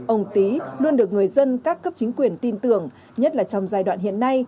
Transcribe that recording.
ông tý luôn được người dân các cấp chính quyền tin tưởng nhất là trong giai đoạn hiện nay